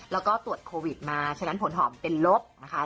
แล้วก็ตรวจโควิดมาฉะนั้นผลหอมเป็นลบนะคะ